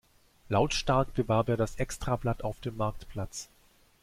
Lautstark bewarb er das Extrablatt auf dem Marktplatz.